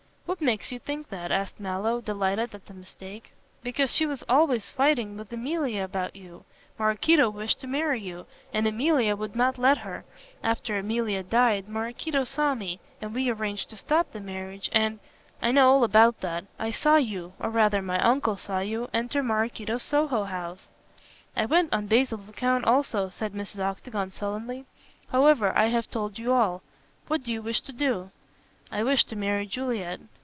"What makes you think that?" asked Mallow, delighted at the mistake. "Because she was always fighting with Emilia about you. Maraquito wished to marry you, and Emilia would not let her. After Emilia died, Maraquito saw me, and we arranged to stop the marriage, and " "I know all about that. I saw you or rather my uncle saw you enter Maraquito's Soho house." "I went on Basil's account also," said Mrs. Octagon, sullenly, "however, I have told you all. What do you wish to do?" "I wish to marry Juliet."